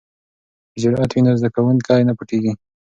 که جرئت وي نو زده کوونکی نه پټیږي.